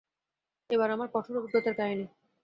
এইবার আমার কঠোর অভিজ্ঞতার কাহিনী।